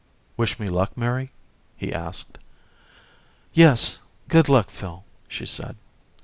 "Wish me luck, Mary?" he asked. "Yes, good luck, Phil," she said.